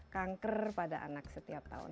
kanker pada anak setiap tahun